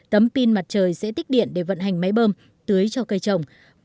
tấm pin mặt trời sẽ tích điện để vận hành máy bơm tưới cho cây trồng